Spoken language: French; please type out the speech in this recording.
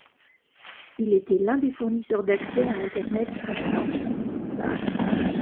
Il était l'un des fournisseurs d'accès à Internet en France.